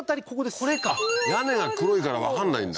これか屋根が黒いからわかんないんだ